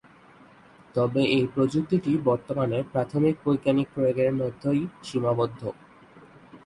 তবে এই প্রযুক্তিটি বর্তমানে প্রাথমিক বৈজ্ঞানিক প্রয়োগের মধ্যেই সীমাবদ্ধ।